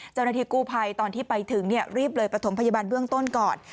เจ้าหน้าที่กู้ภัยตอนที่ไปถึงรีบเลยประถมพยาบาลเบื้องต้นก่อน